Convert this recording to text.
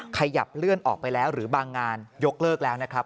ขยับเลื่อนออกไปแล้วหรือบางงานยกเลิกแล้วนะครับ